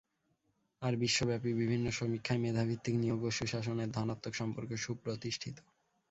আর বিশ্বব্যাপী বিভিন্ন সমীক্ষায় মেধাভিত্তিক নিয়োগ ও সুশাসনের ধনাত্মক সম্পর্ক সুপ্রতিষ্ঠিত।